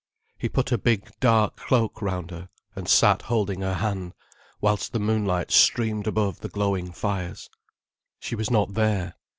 He put a big, dark cloak round her, and sat holding her hand, whilst the moonlight streamed above the glowing fires. She was not there.